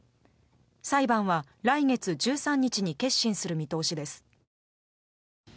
裁判は来月１３日に結審する見通しです。